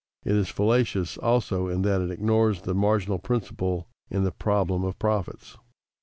It is fallacious also in that it ignores the marginal principle in the problem of profits.